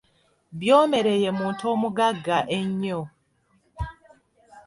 Byomere ye muntu omugagga ennyo.